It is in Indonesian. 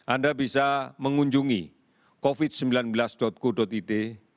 anda bisa mengunjungi covid sembilan belas go id